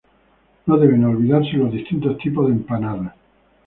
No deben olvidarse los distintos tipos de empanadas.